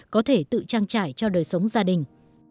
có thể tự trang trải cho đời sống gia đình